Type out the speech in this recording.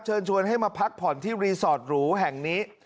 เชิญชวนให้มาพักผ่อนที่รีสอร์ทหรูแห่งนี้